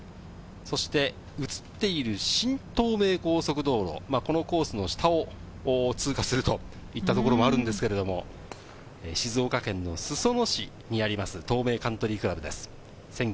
そして映っている新東名高速道路、このコースの下を通過するといったところもあるんですけれど、静岡県の裾野市にあります、東名カントリークラブです。